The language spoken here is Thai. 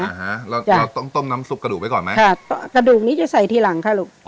อ่าฮะเราเราต้องต้มน้ำซุปกระดูกไว้ก่อนไหมค่ะกระดูกนี้จะใส่ทีหลังค่ะลูก